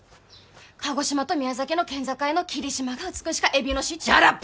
鹿児島と宮崎の県境の霧島が美しかえびの市シャラップ！